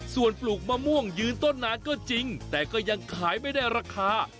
ส่วนปลูกมะม่วงยืนต้นนานก็จริงแต่ก็ยังขายไม่ได้ราคา